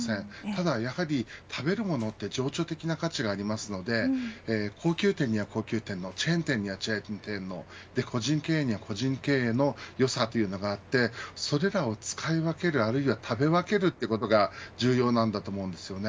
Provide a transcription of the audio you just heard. ただやはり、食べるものは情緒的な価値があるので高級店では高級店のチェーン店にはチェーン店の個人経営には個人経営の良さがあってそれらを使い分ける、あるいは食べ分けるということが重要なんだと思います。